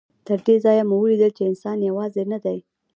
تر دې ځایه مو ولیدل چې انسان یوازې نه دی.